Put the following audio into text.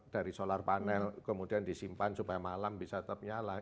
dari solar panel kemudian disimpan supaya malam bisa tetap nyala